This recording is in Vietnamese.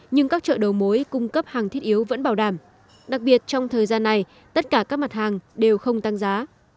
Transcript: nhưng các chợ đầu mối cung cấp hàng thiết yếu vẫn bảo đảm đặc biệt trong thời gian này tất cả các mặt hàng đều không tăng giá